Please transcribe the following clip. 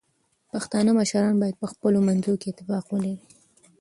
پښتانه مشران باید په خپلو منځونو کې اتفاق ولري.